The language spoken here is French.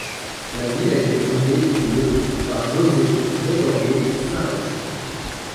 La ville a été fondée le par José Gregorio Suárez.